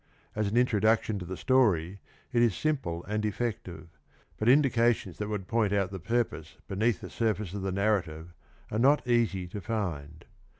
As an introduction to the story it is simple and effective, but indications that would point out the purpose beneath the surface of the narrative are not easy to find.